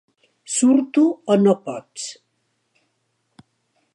Surto o no pots.